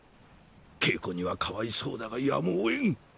茎子にはかわいそうだがやむをえん。